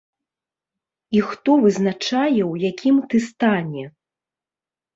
І хто вызначае ў якім ты стане?